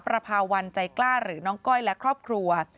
ประพาวันใจกล้าหรือน้องก้อยและครอบครัว